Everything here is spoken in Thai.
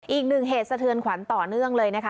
อีกหนึ่งเหตุสะเทือนขวัญต่อเนื่องเลยนะคะ